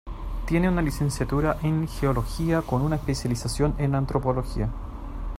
Tiene una licenciatura en geología con una especialización en antropología.